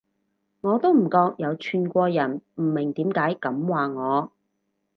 我都唔覺有串過人，唔明點解噉話我